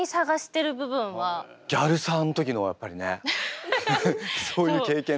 ギャルサーの時のやっぱりねそういう経験とかも。